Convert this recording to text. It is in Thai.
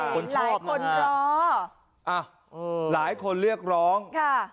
คนชอบหลายคนรออ่ะเออหลายคนเรียกร้องค่ะ